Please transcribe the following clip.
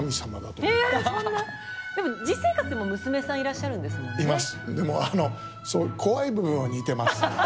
でも実生活でも娘さんいらっしゃるんですもんね？